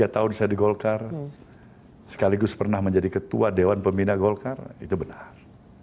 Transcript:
tiga tahun saya di golkar sekaligus pernah menjadi ketua dewan pembina golkar itu benar